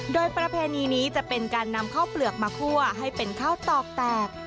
โดยประเพณีนี้จะเป็นการนำข้าวเปลือกมาคั่วให้เป็นข้าวตอกแตก